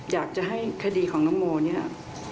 อยากจะให้คดีของตังโมนี่ค่ะ